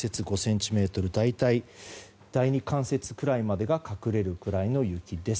大体、第２関節ぐらいまでが隠れるぐらいの雪です。